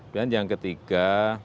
dan yang ketiga